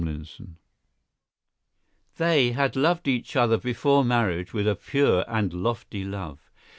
INDISCRETION They had loved each other before marriage with a pure and lofty love.